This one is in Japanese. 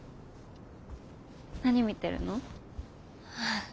何見てるの？